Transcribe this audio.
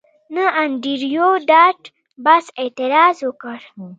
نه انډریو ډاټ باس اعتراض وکړ